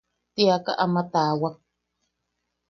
Tiaka ama tawaak.